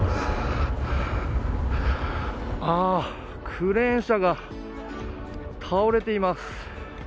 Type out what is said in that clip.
クレーン車が倒れています。